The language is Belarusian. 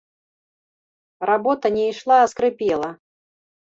Работа не ішла, а скрыпела.